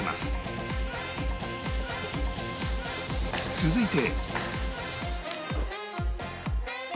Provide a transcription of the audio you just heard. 続いて